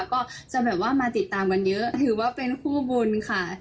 ก็จะแบบว่ามาติดตามกันเยอะถือว่าเป็นคู่บุญค่ะ